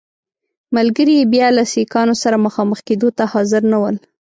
ملګري یې بیا له سیکهانو سره مخامخ کېدو ته حاضر نه ول.